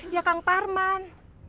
ya kang parman